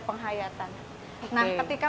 penghayatan nah ketika